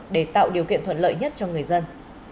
công an tp đà nẵng đã tạo điều kiện thuận lợi nhất cho người dân